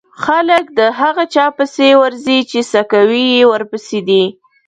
خلک د هغه چا پسې ورځي چې څکوی يې ورپسې دی.